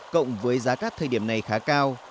cộng với giá cát thời điểm này khá cao